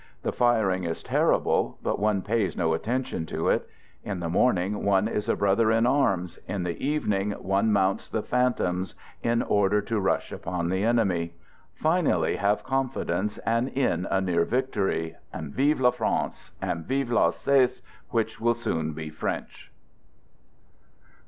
The firing is terrible, but one pays no attention to it. In the morning, one is a brother in arms; in the evening, one mounts the phantoms in order to rush upon the enemy. Finally, have confidence, and in a near victory. And vive la France! And vive T Alsace ! which will soon be French.